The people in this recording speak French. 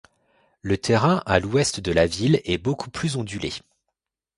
Le terrain à l'ouest de la ville est beaucoup plus ondulé.